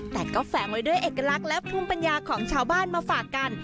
แต่ก็แฝงไว้ด้วยเอกลักษณ์และภูมิปัญญาของชาวบ้านมาฝากกัน